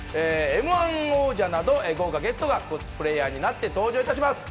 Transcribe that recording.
Ｍ−１王者など豪華ゲストがコスプレイヤーになって登場いたします。